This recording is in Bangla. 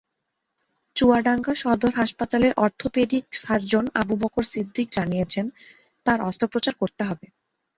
চুয়াডাঙ্গা সদর হাসপাতালের অর্থোপেডিক সার্জন আবুবকর সিদ্দিক জানিয়েছেন, তাঁর অস্ত্রোপচার করতে হবে।